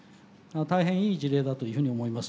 大変いい事例だというふうに思います。